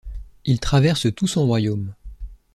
Il traverse tout son royaume.